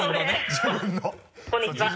自分の